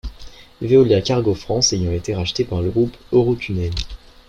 Veolia Cargo France ayant été rachetée par le groupe Eurotunnel.